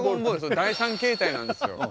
第３形態なんですよ。